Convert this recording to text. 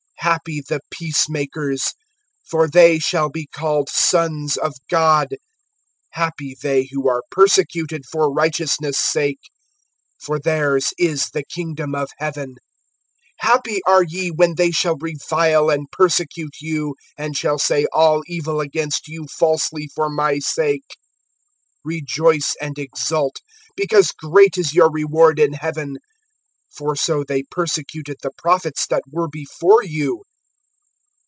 (9)Happy the peacemakers; for they shall be called sons of God. (10)Happy they who are persecuted for righteousness' sake; for theirs is the kingdom of heaven. (11)Happy are ye, when they shall revile and persecute you, and shall say all evil against you falsely[5:11], for my sake. (12)Rejoice, and exult; because great is your reward in heaven, for so they persecuted the prophets that were before you.